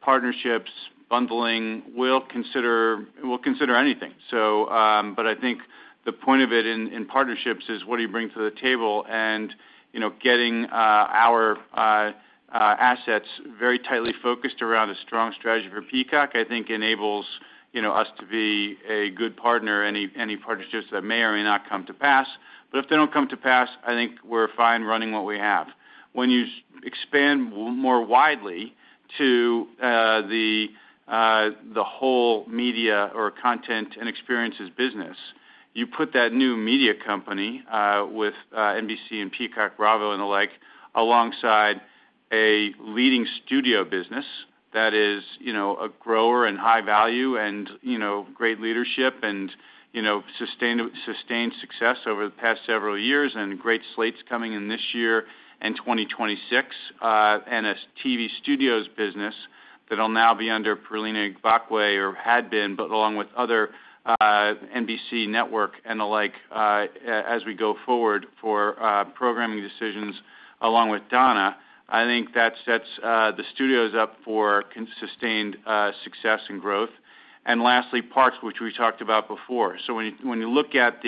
S3: partnerships, bundling. We'll consider anything, but I think the point of it in partnerships is what do you bring to the table, and getting our assets very tightly focused around a strong strategy for Peacock, I think, enables us to be a good partner, any partnerships that may or may not come to pass, but if they don't come to pass, I think we're fine running what we have. When you expand more widely to the whole media or Content & Experiences business, you put that new media company with NBC and Peacock, Bravo, and the like alongside a leading studio business that is a grower and high value and great leadership and sustained success over the past several years and great slates coming in this year and 2026, and a TV studios business that will now be under Pearlena Igbokwe or had been, but along with other NBC network and the like as we go forward for programming decisions along with Donna. I think that sets the studios up for sustained success and growth. And lastly, parks, which we talked about before. So when you look at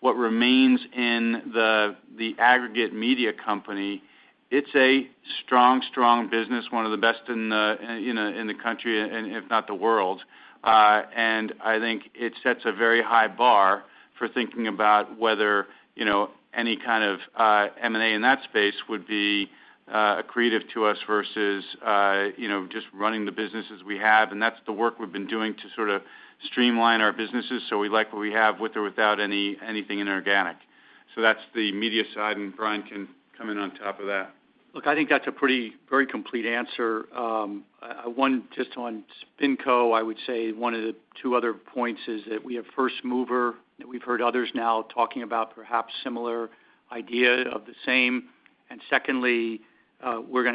S3: what remains in the aggregate media company, it's a strong, strong business, one of the best in the country, if not the world. I think it sets a very high bar for thinking about whether any kind of M&A in that space would be accretive to us versus just running the businesses we have. That's the work we've been doing to sort of streamline our businesses. We like what we have with or without anything inorganic. That's the media side, and Brian can come in on top of that.
S5: Look, I think that's a pretty very complete answer. Just on SpinCo, I would say one of the two other points is that we have first mover that we've heard others now talking about perhaps similar idea of the same. And secondly, they're going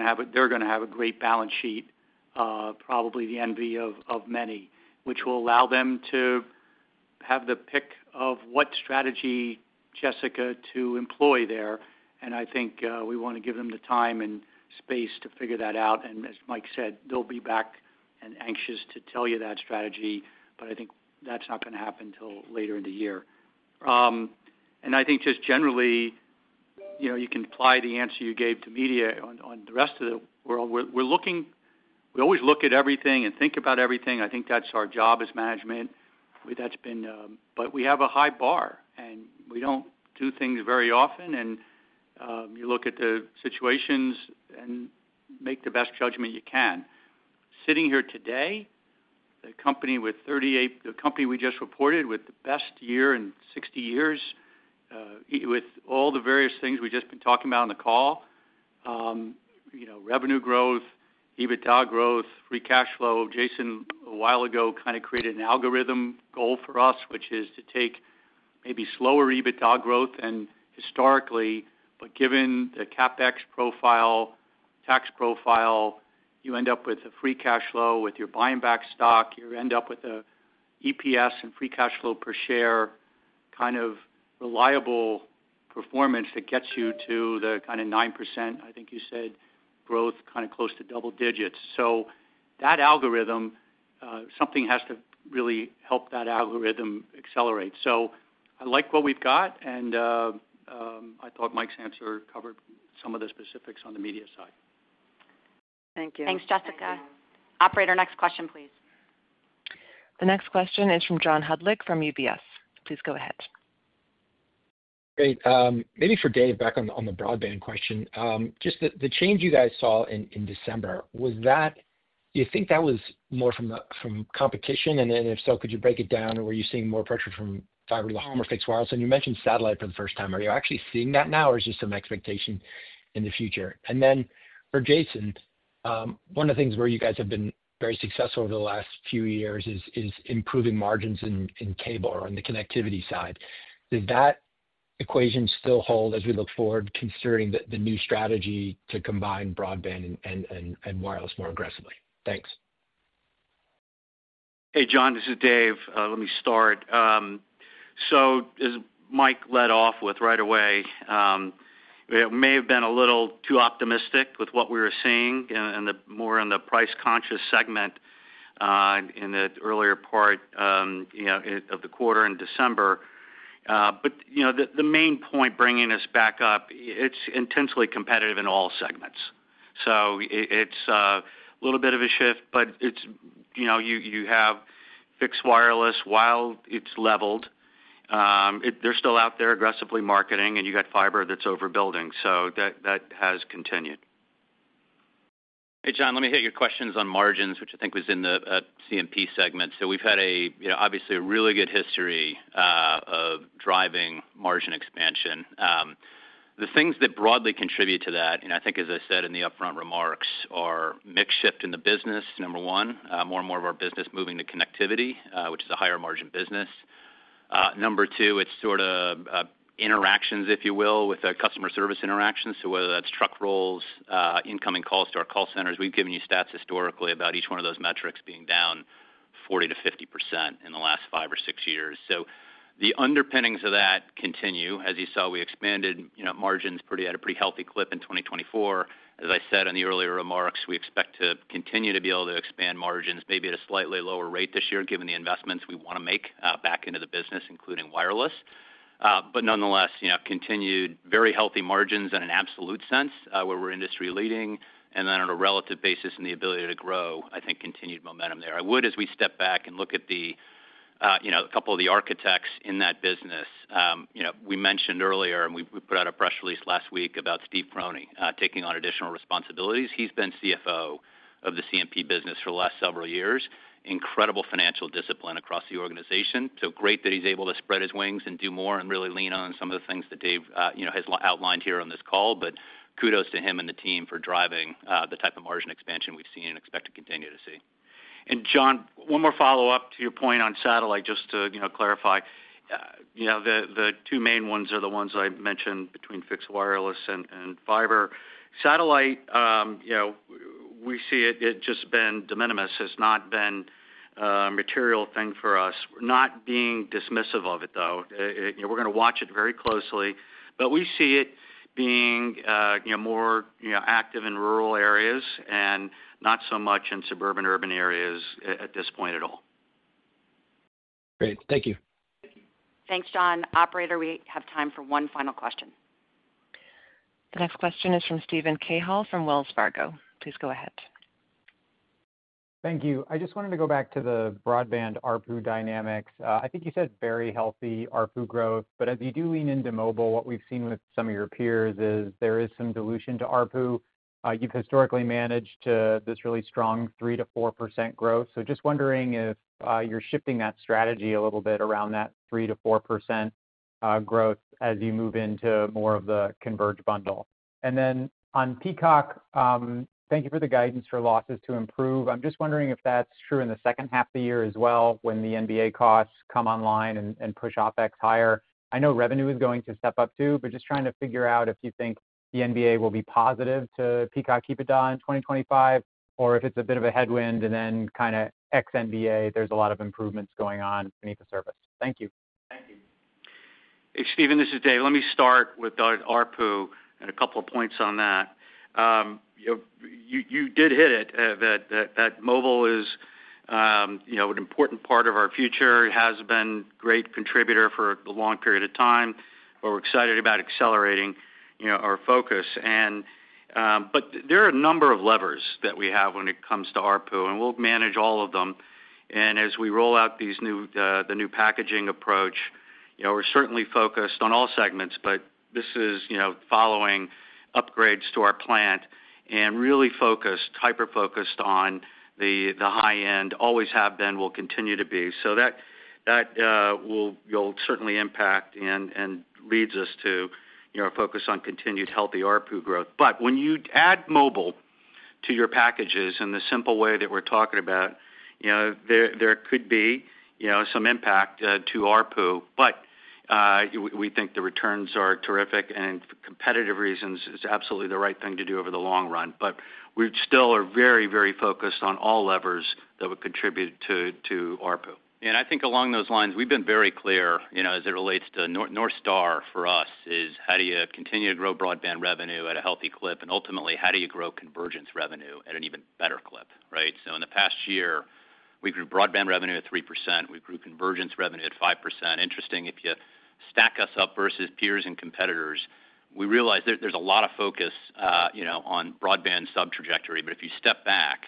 S5: to have a great balance sheet, probably the envy of many, which will allow them to have the pick of what strategy, Jessica, to employ there. And I think we want to give them the time and space to figure that out. And as Mike said, they'll be back and anxious to tell you that strategy, but I think that's not going to happen until later in the year. And I think just generally, you can apply the answer you gave to media on the rest of the world. We always look at everything and think about everything. I think that's our job as management. But we have a high bar, and we don't do things very often. And you look at the situations and make the best judgment you can. Sitting here today, the company, we just reported with the best year in 60 years, with all the various things we've just been talking about on the call, revenue growth, EBITDA growth, free cash flow. Jason, a while ago, kind of created an algorithm goal for us, which is to take maybe slower EBITDA growth than historically. But given the CapEx profile, tax profile, you end up with a free cash flow with your buying back stock. You end up with an EPS and free cash flow per share kind of reliable performance that gets you to the kind of 9%, I think you said, growth kind of close to double digits. So that algorithm, something has to really help that algorithm accelerate. So I like what we've got, and I thought Mike's answer covered some of the specifics on the media side.
S11: Thank you.
S2: Thanks, Jessica. Operator, next question, please.
S1: The next question is from John Hodulik from UBS. Please go ahead.
S12: Great. Maybe for Dave back on the broadband question, just the change you guys saw in December, do you think that was more from competition? And if so, could you break it down? Were you seeing more pressure from fiber to home or fixed wireless? And you mentioned satellite for the first time. Are you actually seeing that now, or is it just some expectation in the future? And then for Jason, one of the things where you guys have been very successful over the last few years is improving margins in cable or on the connectivity side. Does that equation still hold as we look forward, considering the new strategy to combine broadband and wireless more aggressively? Thanks.
S7: Hey, John, this is Dave. Let me start. So as Mike led off with right away, it may have been a little too optimistic with what we were seeing and more in the price-conscious segment in the earlier part of the quarter in December. But the main point bringing us back up, it's intensely competitive in all segments. So it's a little bit of a shift, but you have fixed wireless while it's leveled. They're still out there aggressively marketing, and you got fiber that's overbuilding. So that has continued.
S4: Hey, John, let me hit your questions on margins, which I think was in the C&P segment. So we've had obviously a really good history of driving margin expansion. The things that broadly contribute to that, and I think, as I said in the upfront remarks, are mix shift in the business, number one, more and more of our business moving to connectivity, which is a higher margin business. Number two, it's sort of interactions, if you will, with our customer service interactions. So whether that's truck rolls, incoming calls to our call centers, we've given you stats historically about each one of those metrics being down 40%-50% in the last five or six years. So the underpinnings of that continue. As you saw, we expanded margins at a pretty healthy clip in 2024. As I said in the earlier remarks, we expect to continue to be able to expand margins, maybe at a slightly lower rate this year, given the investments we want to make back into the business, including wireless. But nonetheless, continued very healthy margins in an absolute sense where we're industry leading, and then on a relative basis in the ability to grow. I think continued momentum there. I would, as we step back and look at a couple of the architects in that business, we mentioned earlier, and we put out a press release last week about Steve Croney taking on additional responsibilities. He's been CFO of the C&P business for the last several years, incredible financial discipline across the organization. So great that he's able to spread his wings and do more and really lean on some of the things that Dave has outlined here on this call. But kudos to him and the team for driving the type of margin expansion we've seen and expect to continue to see.
S7: And John, one more follow-up to your point on satellite, just to clarify. The two main ones are the ones I mentioned between fixed wireless and fiber. Satellite, we see it just been de minimis. It's not been a material thing for us. Not being dismissive of it, though. We're going to watch it very closely. But we see it being more active in rural areas and not so much in suburban urban areas at this point at all.
S12: Great. Thank you.
S2: Thank you. Thanks, John. Operator, we have time for one final question.
S1: The next question is from Steven Cahall from Wells Fargo. Please go ahead.
S13: Thank you. I just wanted to go back to the broadband ARPU dynamics. I think you said very healthy ARPU growth. But as you do lean into mobile, what we've seen with some of your peers is there is some dilution to ARPU. You've historically managed this really strong 3%-4% growth. So just wondering if you're shifting that strategy a little bit around that 3%-4% growth as you move into more of the converged bundle. And then on Peacock, thank you for the guidance for losses to improve. I'm just wondering if that's true in the second half of the year as well when the NBA costs come online and push OpEx higher. I know revenue is going to step up too, but just trying to figure out if you think the NBA will be positive to Peacock EBITDA in 2025, or if it's a bit of a headwind and then kind of ex-NBA, there's a lot of improvements going on beneath the surface. Thank you. Thank you.
S7: Hey, Stephen, this is Dave. Let me start with ARPU and a couple of points on that. You did hit it that mobile is an important part of our future. It has been a great contributor for a long period of time, but we're excited about accelerating our focus, but there are a number of levers that we have when it comes to ARPU, and we'll manage all of them, and as we roll out the new packaging approach, we're certainly focused on all segments, but this is following upgrades to our plant and really focused, hyper-focused on the high-end, always have been, will continue to be, so that will certainly impact and leads us to focus on continued healthy ARPU growth, but when you add mobile to your packages in the simple way that we're talking about, there could be some impact to ARPU, but we think the returns are terrific, and for competitive reasons, it's absolutely the right thing to do over the long run. But we still are very, very focused on all levers that would contribute to ARPU.
S4: And I think along those lines, we've been very clear as it relates to North Star for us is how do you continue to grow broadband revenue at a healthy clip, and ultimately, how do you grow convergence revenue at an even better clip, right? So in the past year, we grew broadband revenue at 3%. We grew convergence revenue at 5%. Interesting, if you stack us up versus peers and competitors, we realize there's a lot of focus on broadband sub-trajectory. But if you step back,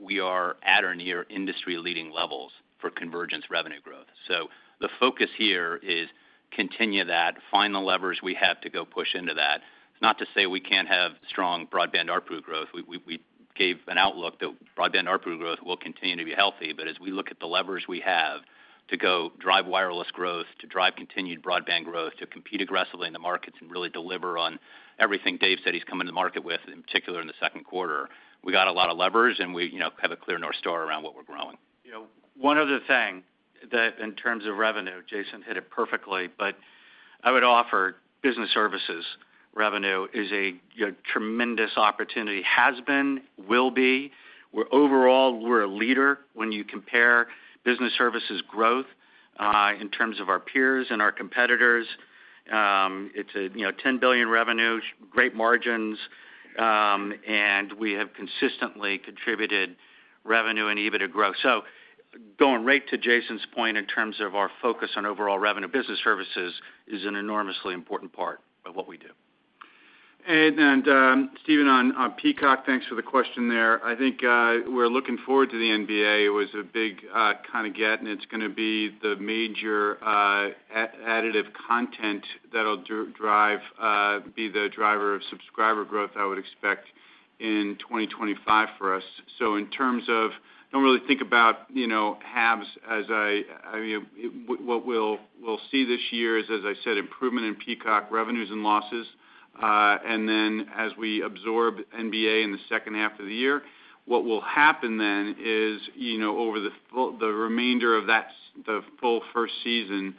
S4: we are at or near industry-leading levels for convergence revenue growth. So the focus here is continue that, find the levers we have to go push into that. It's not to say we can't have strong broadband ARPU growth. We gave an outlook that broadband ARPU growth will continue to be healthy. But as we look at the levers we have to go drive wireless growth, to drive continued broadband growth, to compete aggressively in the markets and really deliver on everything Dave said he's coming to the market with, in particular in the second quarter, we got a lot of levers, and we have a clear North Star around what we're growing.
S7: One other thing that in terms of revenue, Jason hit it perfectly, but I would offer business services revenue is a tremendous opportunity, has been, will be. Overall, we're a leader when you compare business services growth in terms of our peers and our competitors. It's a $10 billion revenue, great margins, and we have consistently contributed revenue and EBITDA growth. So going right to Jason's point in terms of our focus on overall revenue, business services is an enormously important part of what we do.
S3: And Stephen, on Peacock, thanks for the question there. I think we're looking forward to the NBA. It was a big kind of get, and it's going to be the major additive content that'll be the driver of subscriber growth I would expect in 2025 for us. So in terms of, don't really think about halves as what we'll see this year is, as I said, improvement in Peacock revenues and losses. And then as we absorb NBA in the second half of the year, what will happen then is over the remainder of the full first season,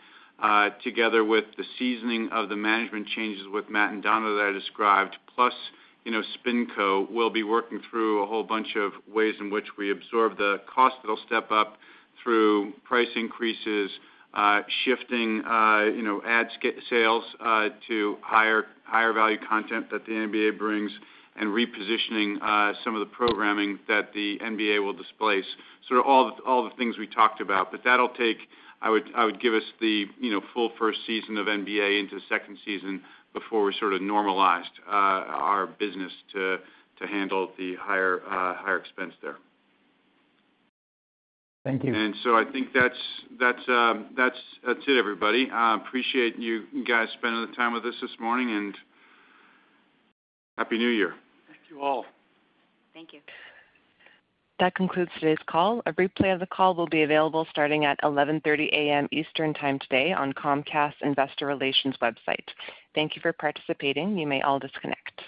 S3: together with the seasoning of the management changes with Matt and Donna that I described, plus SpinCo, we'll be working through a whole bunch of ways in which we absorb the cost that'll step up through price increases, shifting ad sales to higher value content that the NBA brings, and repositioning some of the programming that the NBA will displace. Sort of all the things we talked about. But that'll take, I would give us the full first season of NBA into the second season before we're sort of normalized our business to handle the higher expense there.
S13: Thank you.
S3: And so I think that's it, everybody. Appreciate you guys spending the time with us this morning and happy New Year.
S7: Thank you all.
S1: Thank you. That concludes today's call. A replay of the call will be available starting at 11:30 A.M. Eastern Time today on Comcast Investor Relations website. Thank you for participating. You may all disconnect.